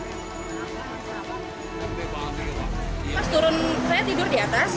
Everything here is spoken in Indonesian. pas turun saya tidur di atas